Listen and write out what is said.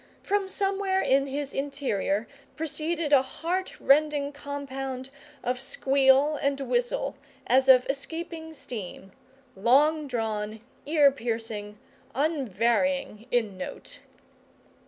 From somewhere in his interior proceeded a heart rending compound of squeal and whistle, as of escaping steam, long drawn, ear piercing, unvarying in note.